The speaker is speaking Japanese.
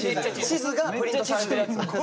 地図がプリントされてるやつ。